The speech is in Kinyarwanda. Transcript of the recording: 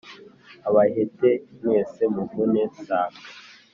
abahete mwese muvune sambwe